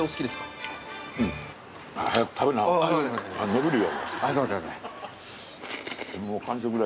伸びるよ。